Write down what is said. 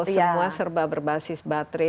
semua serba berbasis baterai